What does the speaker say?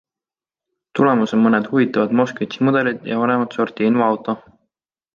Tulemas on mõned huvitavad Moskvitši mudelid ja vanemat sorti invaauto.